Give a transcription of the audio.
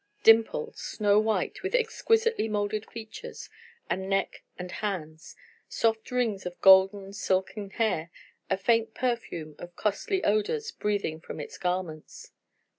Dimpled, snow white, with exquisitely molded features, and neck and hands; soft rings of golden, silken hair, a faint perfume of costly odors breathing from its garments.